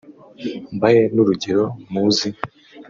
Mbahe n’urugero muzi